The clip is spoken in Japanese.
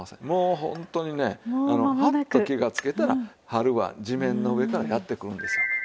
もうホントにねハッと気がつけたら春は地面の上からやって来るんですよ。